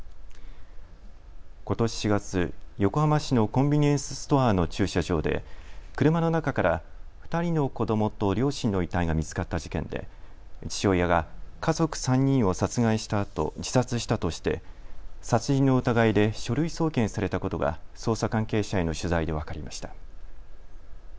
ことし４月、横浜市のコンビニエンスストアの駐車場で車の中から２人の子どもと両親の遺体が見つかった事件で父親が家族３人を殺害したあと自殺したとして殺人の疑いで書類送検されたことが捜査関係者への取材で分かりました。